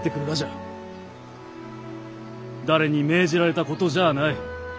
誰に命じられたことじゃあない。